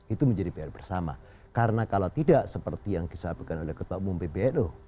itu menjadi pr bersama karena kalau tidak seperti yang disampaikan oleh ketua umum pbnu